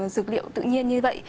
dược liệu tự nhiên như vậy